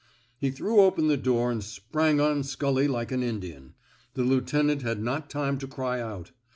He threw open the door and sprang on Scully like an Indian. The lieutenant had not time to cry out.